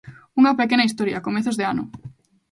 Unha pequena historia, comezos de ano.